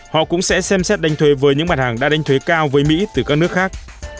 họ cũng sẽ xem xét đánh thuế với những mặt hàng đã đánh thuế cao với mỹ từ các nước khác